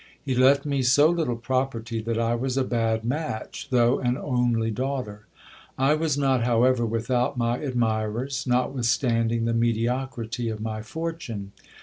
He left me so little property, that I was a bad match, though an only daughter. I was not, however, without my admirers, notwithstanding the mediocrity of my fortune.